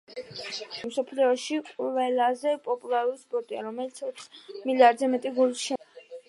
ფეხბურთი მსოფლიოში ყველაზე პოპულარული სპორტია, რომელსაც ოთხ მილიარდზე მეტი გულშემატკივარი ჰყავს.